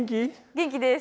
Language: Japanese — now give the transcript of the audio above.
元気です。